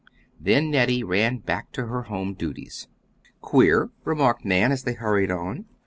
Then Nettie ran back to her home duties. "Queer," remarked Nan, as they hurried on.